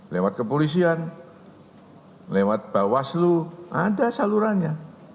lewat kepolisian lewat bawah selu ada salurannya